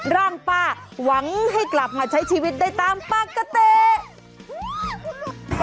ร่างป้าหวังให้กลับมาใช้ชีวิตได้ตามปกติ